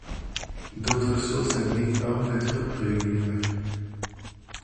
D'autres sources indiquent hommes de troupes régulières.